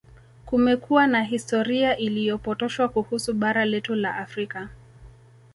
Kumekuwa na historia iliyopotoshwa kuhusu bara letu la Afrika